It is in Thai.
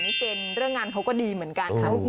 ก็เลยมีโอกาสว่าอาจจะได้ลาบมาแบบพลุกด้วยสำหรับราศีสิง